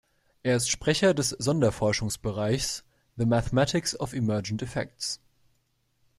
Er ist Sprecher des Sonderforschungsbereichs „The Mathematics of Emergent Effects“.